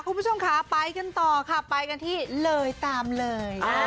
คุณผู้ชมค่ะไปกันต่อค่ะไปกันที่เลยตามเลย